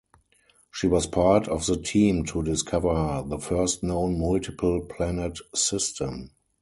She was part of the team to discover the first known multiple-planet system.